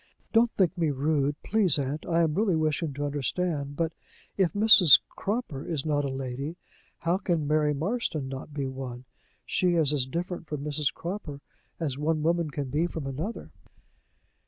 "Don't think me rude, please, aunt: I am really wishing to understand but, if Mrs. Cropper is not a lady, how can Mary Marston not be one? She is as different from Mrs. Croppor as one woman can be from another."